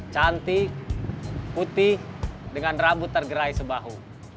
cantik putih dengan rambut tergerai sebahu